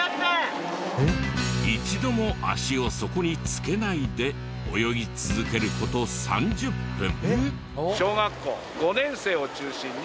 一度も足を底につけないで泳ぎ続けること３０分。